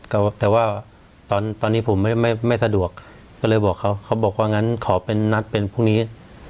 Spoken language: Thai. แต่ว่าตอนนี้ผมไม่ไม่สะดวกก็เลยบอกเขาเขาบอกว่างั้นขอเป็นนัดเป็นพรุ่งนี้